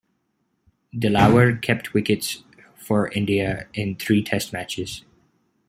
Dilawar kept wickets for India in three Test matches.